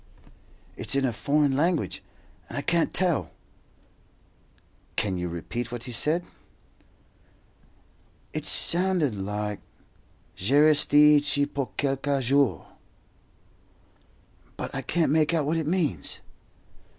"It's in a foreign language, and I can't tell." "Can you repeat what he said?" "It sounded like this 'Je restey ici pour kelka jour;' but I can't make out what it means."